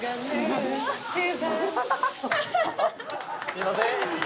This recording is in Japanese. すいません